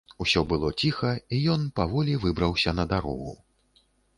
Усё было ціха, і ён паволі выбраўся на дарогу.